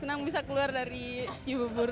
senang bisa keluar dari cibubur